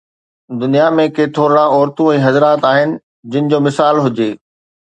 دنيا ۾ ڪي ٿورڙا عورتون ۽ حضرات آهن جن جو مثال هجي.